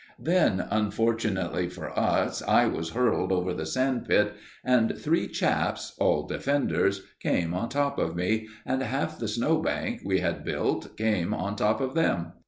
Then, unfortunately for us, I was hurled over the sand pit, and three chaps all defenders came on top of me, and half the snow bank we had built came on top of them.